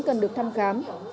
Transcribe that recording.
cần được thăm khám